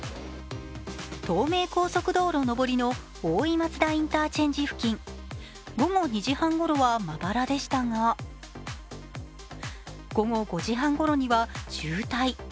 東名高速道路上りの大井松田インターチェンジ付近午後２時半ごろはまばらでしたが、午後５時半ごろには渋滞。